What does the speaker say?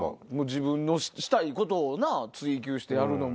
自分のしたいことをな追求してやるのも。